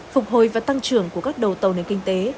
phục hồi và tăng trưởng của các đầu tàu nền kinh tế